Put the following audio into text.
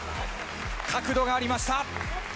角度がありました。